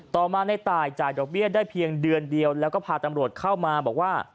ต่อมาในตายจ่ายดอกเบี้ยได้เพียงเดือนเดียวแล้วก็พาตำรวจเข้ามาบอกว่า